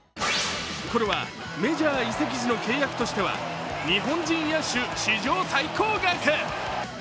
これはメジャー移籍時の契約としては日本人野手史上最高額。